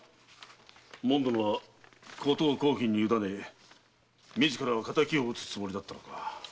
もん殿はことを公儀にゆだね自らは仇を討つつもりだったのか。